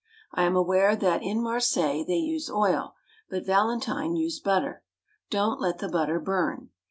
I'm aware that in Marseilles they use oil, but Valentine used butter. Don't let the butter burn.